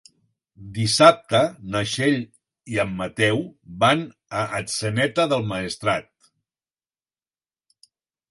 Dissabte na Txell i en Mateu van a Atzeneta del Maestrat.